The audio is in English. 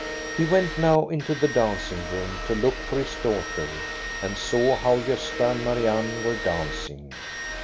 He went now into the dancing room to look for his daughter, and saw how Gosta and Marianne were dancing.